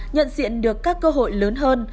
nhận diện được các cơ hội lớn hơn